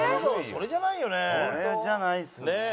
それじゃないですよね。